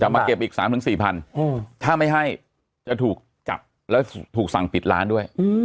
มาเก็บอีก๓๔๐๐ถ้าไม่ให้จะถูกจับแล้วถูกสั่งปิดร้านด้วย